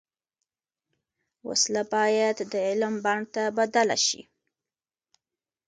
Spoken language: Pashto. وسله باید د علم بڼ ته بدله شي